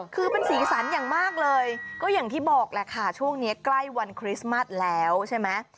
คือเป็นสีสันอย่างมากเลยก็อย่างที่บอกแหละค่ะช่วงนี้ใกล้วันคริสต์มัสแล้วใช่ไหม